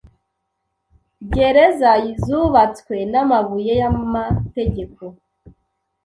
Gereza zubatswe namabuye yamategeko